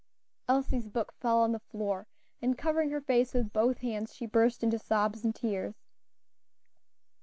Elsie's book fell on the floor, and, covering her face with both hands, she burst into sobs and tears.